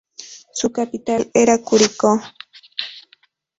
Su capital era Curicó.